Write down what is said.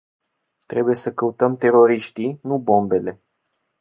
Trebuie să căutăm teroriștii, nu bombele.